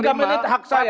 tiga menit hak saya